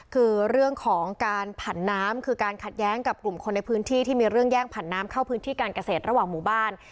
คือเรื่องของการผันน้ำคือการขัดแย้งกับกลุ่มคนในพื้นที่ที่มีเรื่องแย่งผันน้ำเข้าพื้นที่การเกษตรระหว่างหมู่บ้าน